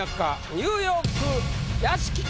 「ニューヨーク」屋敷か？